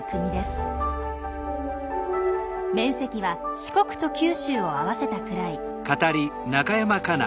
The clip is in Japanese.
面積は四国と九州を合わせたくらい。